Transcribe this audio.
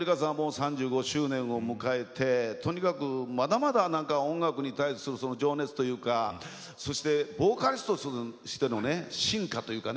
３５周年を迎えられてとにかくまだまだ音楽に対する情熱というかそしてボーカリストとしての進化というか